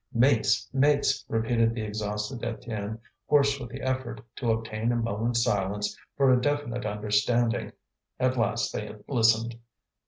"Mates! mates!" repeated the exhausted Étienne, hoarse with the effort to obtain a moment's silence for a definite understanding. At last they listened.